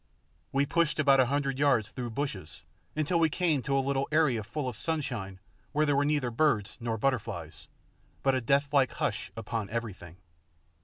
We pushed about a hundred yards through bushes until we came to a little arena full in sunshine where there were neither birds nor butterflies, but a death like hush upon everything.